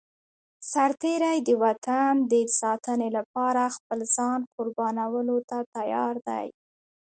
سرتېری د وطن د ساتنې لپاره خپل ځان قربانولو ته تيار دی.